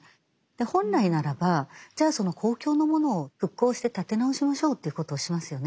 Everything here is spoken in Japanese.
本来ならばじゃあその公共のものを復興して立て直しましょうということをしますよね。